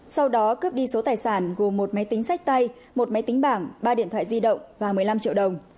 sau đó cướp đi số tài sản gồm một máy tính sách tay một máy tính bảng ba điện thoại di động và một mươi năm triệu đồng